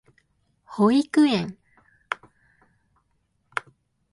保育園